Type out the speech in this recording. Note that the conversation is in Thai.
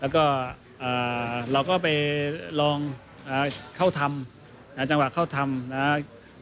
แล้วก็เราก็ไปลองเข้าทำจังหวะเข้าทำนะครับ